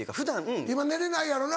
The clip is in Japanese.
今寝れないやろな。